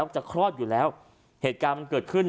คลอดอยู่แล้วเหตุการณ์มันเกิดขึ้น